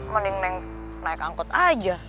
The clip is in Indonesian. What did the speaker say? mending naik angkut aja